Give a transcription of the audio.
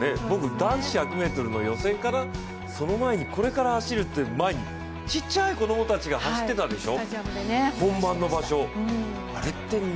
僕、男子１００ｍの予選からその前にこれから走るという前に小さい子供たちが走ってたでしょ。